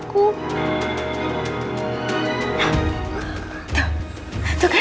kau baik sama aku